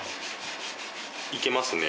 いけますね！